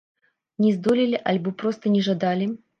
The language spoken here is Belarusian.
Не здолелі альбо проста не жадалі?